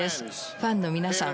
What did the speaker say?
ファンの皆さん